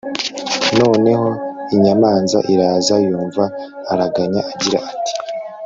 noneho inyamanza iraza yumva araganya agira ati